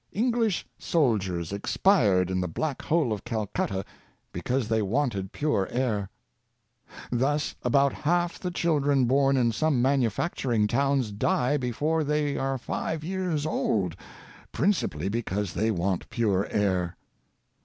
The English soldiers expired in the Black Hole of Calcutta because they wanted pure air. Thus about half the children born in some manufacturing towns die before they are five years old, principally because they want pure air.